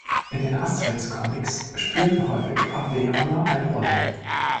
In den Asterix-Comics spielen häufig Arverner eine Rolle.